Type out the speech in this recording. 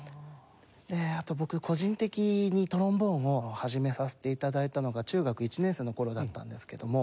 あと僕個人的にトロンボーンを始めさせて頂いたのが中学１年生の頃だったんですけども。